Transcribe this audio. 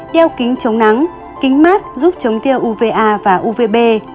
đeo kính chống nắng kính mát giúp chống tiêu uva và uvb